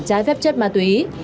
trái phép chất ma túy